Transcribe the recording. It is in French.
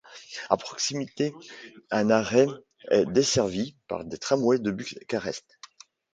À proximité un arrêt est desservie par des tramways de Bucarest.